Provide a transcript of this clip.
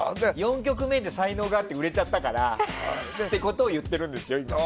４曲目で才能があって売れちゃったからっていうことを言っているんですよ。